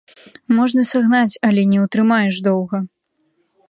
Можна сагнаць, але не ўтрымаеш доўга!